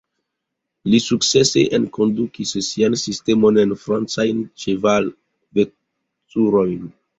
Li sukcese enkondukis sian sistemon en francajn ĉeval-vetkurojn.